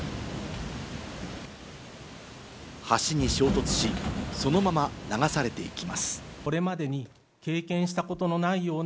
橋に衝突し、そのまま流されていきます。